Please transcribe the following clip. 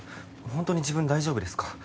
ほんとに自分大丈夫ですか？